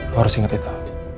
lo harus inget itu